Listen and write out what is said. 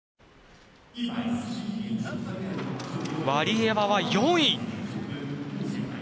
ワリエワは４位。